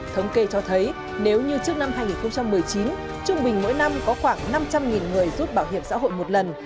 thống kê cho thấy nếu như trước năm hai nghìn một mươi chín trung bình mỗi năm có khoảng năm trăm linh người rút bảo hiểm xã hội một lần